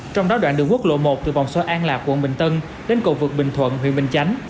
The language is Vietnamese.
trong đó đoạn đường quốc lộ một từ vòng xoay an lạc quận bình tân đến cầu vượt bình thuận huyện bình chánh